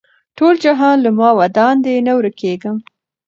ټول جهان له ما ودان دی نه ورکېږم